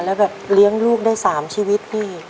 แล้วแบบเลี้ยงลูกได้๓ชีวิตพี่